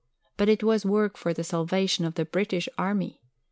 But it was work for the salvation of the British Army.